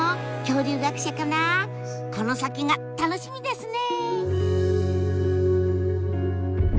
この先が楽しみですね！